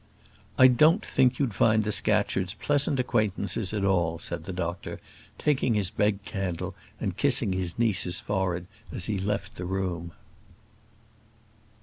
"I don't think you'd find the Scatcherds pleasant acquaintances at all," said the doctor, taking his bed candle, and kissing his niece's forehead as he left the room.